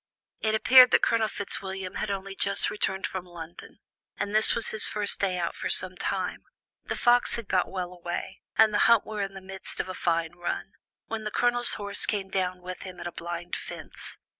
It appeared that Colonel Fitzwilliam had only just returned from London, and this was his first day out for some time. The fox had got well away, and the hunt were in the midst of a fine run, when the Colonel's horse came down with him at a blind fence.